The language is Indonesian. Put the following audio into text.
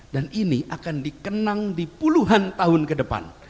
dan ini akan dikenang di puluhan tahun ke depan